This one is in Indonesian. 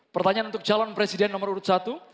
pertanyaan untuk calon presiden nomor urut satu